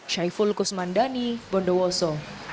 syaiful kusmandani bondowoso